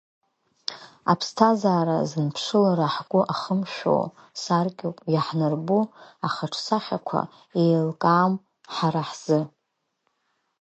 Аԥсҭазаара зынԥшылара ҳгәы ахымшәо саркьоуп, иаҳнарбо ахаҿсахьақәа еилкаам ҳара ҳзы.